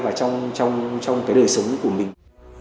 vào trong cái đời sống của mình